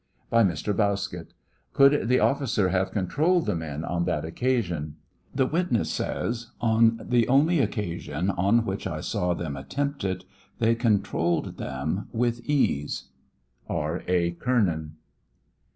By Mr. Bauskett: Could the officer have controlled the men on that occasion ? The witness says, on the only occasion on which I saw them attempt it, they controlled them with ease. E. A. KBENAN.